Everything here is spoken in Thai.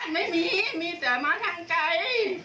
ไม่มีมีแต่มาทางไกล